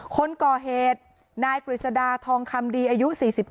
คนก่อเหตุนายกฤษดาทองคำดีอายุ๔๗